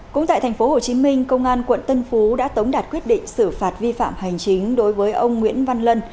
cũng tại tp hcm công an quận tân phú đã tống đạt quyết định xử phạt vi phạm hành chính đối với ông nguyễn văn lân